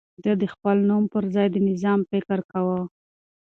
ده د خپل نوم پر ځای د نظام فکر کاوه.